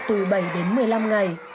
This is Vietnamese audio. từ bảy đến một mươi năm ngày